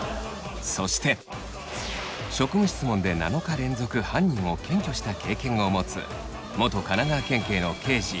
そして職務質問で７日連続犯人を検挙した経験を持つ元神奈川県警の刑事